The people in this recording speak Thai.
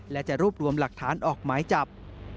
และจะรวบรวมหลักฐานออกหมายจับ